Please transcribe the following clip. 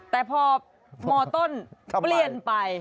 แต่พอมต้นเปลี่ยนไป